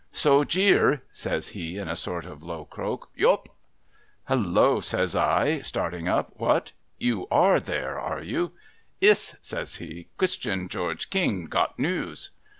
' So Jeer !' says he, in a sort of a low croak. ' Yup I '' Hallo !' says I, starting up. ' What ? You are there, are you ?'' Iss,' says he. ' Christian George King got news.'